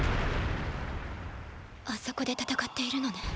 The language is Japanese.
あそこで戦っているのね